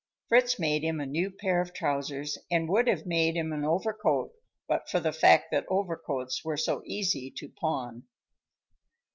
Fritz made him a new pair of trousers and would have made him an overcoat but for the fact that overcoats were so easy to pawn.